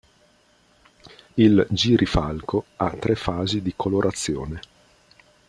Il girifalco ha tre fasi di colorazione.